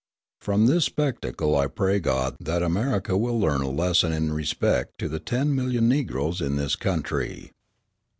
From this spectacle I pray God that America will learn a lesson in respect to the ten million Negroes in this country.